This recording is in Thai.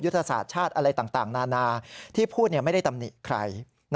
ศาสตร์ชาติอะไรต่างนานาที่พูดไม่ได้ตำหนิใคร